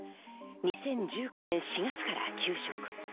２０１９年４月から休職。